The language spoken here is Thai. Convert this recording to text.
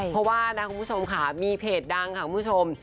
เพราะว่านะคุณผู้ชมค่ะมีเพจดังค่ะคุณผู้ชม